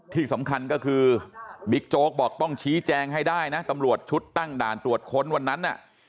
ที่สำคัญก็คือบิ๊กโจ๊กบอกต้องชี้แจงให้ได้นะตำรวจชุดตั้งด่านตรวจค้นวันนั้นน่ะ